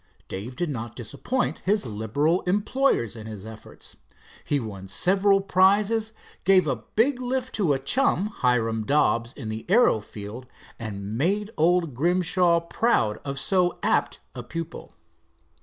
Dave did not disappoint his liberal employers in his efforts. He won several prizes, gave a big lift to a chum, Hiram Dobbs, in the aero field, and made old Grimshaw proud of so apt a pupil.